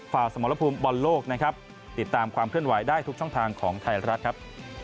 สมรภูมิบอลโลกนะครับติดตามความเคลื่อนไหวได้ทุกช่องทางของไทยรัฐครับ